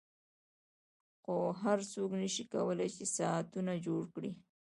خو هر څوک نشي کولای چې ساعتونه جوړ کړي